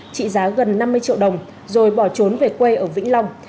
trị giá gần năm mươi triệu đồng rồi bỏ trốn về quê ở vĩnh long